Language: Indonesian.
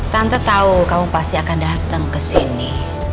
tante tau kamu pasti akan dateng kesini